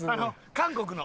韓国の。